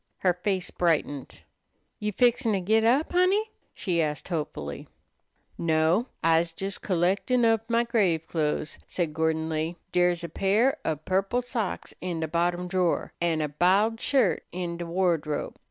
Her face brightened. "You fixin' to git up, Honey?" she asked hopefully. "No, I's jes collectin' ob my grave clothes," said Gordon Lee. "Dere's a pair ob purple socks in de bottom drawer, an' a b'iled shirt in de wardrobe.